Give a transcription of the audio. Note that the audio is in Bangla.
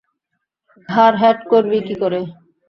ঘাড় হেঁট করবি কী করে।